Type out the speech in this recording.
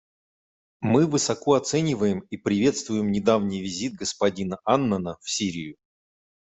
Мы высоко оцениваем и приветствуем недавний визит господина Аннана в Сирию.